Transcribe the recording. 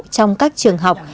trong các trường học